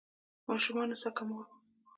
ماشومانو سکه مور وم